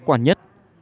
cách quản nhất